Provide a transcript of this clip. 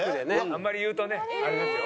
あんまり言うとねあれですよ。